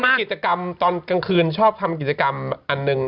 มีกิจกรรมตอนกลางคืนชอบทำกิจกรรมอันหนึ่ง